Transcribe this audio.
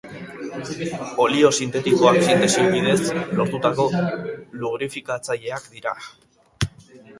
Olio sintetikoak sintesi bidez lortutako lubrifikatzaileak dira.